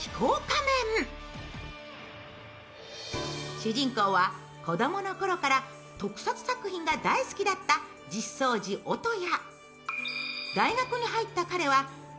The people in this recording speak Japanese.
主人公は子供のころから特撮作品が大好きだった実相寺二矢。